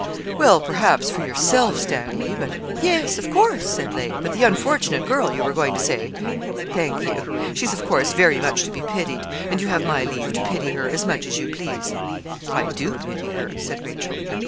'Well, perhaps, for yourself, Stanley; but ' 'Yes, of course,' said Lake; 'but the unfortunate girl, you were going to say thank you. She's, of course, very much to be pitied, and you have my leave to pity her as much as you please.' 'I do pity her,' said Rachel.